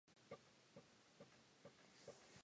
Untuk Sekolah Menengah.